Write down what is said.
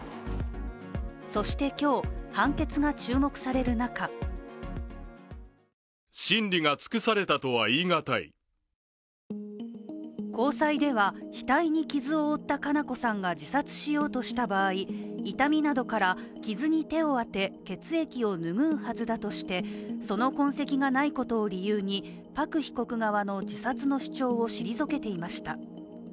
そして今日、判決が注目される中高裁では額に傷を負った佳菜子さんが自殺しようとした場合痛みなどから傷に手を当て、血液を拭うはずだとしてその痕跡がないことを理由にパク被告側の自殺の主張を退けていました。